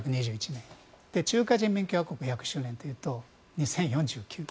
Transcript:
中華人民共和国１００周年というと２０４９年。